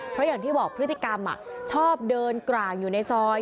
เพราะอย่างที่บอกพฤติกรรมชอบเดินกลางอยู่ในซอย